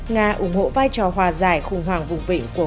nga ủng hộ vai trò hòa giải khủng hoảng vùng vị của kuwait